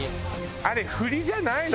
あれふりじゃないの？